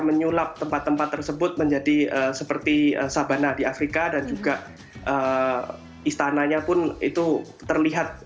menyulap tempat tempat tersebut menjadi seperti sabana di afrika dan juga istananya pun itu terlihat